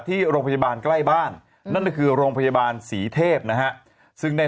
ที่โรงพยาบาลใกล้บ้านนั่นก็คือโรงพยาบาลศรีเทพนะฮะซึ่งได้